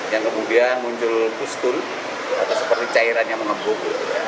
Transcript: yang kemudian muncul puskul atau seperti cairan yang mengepuk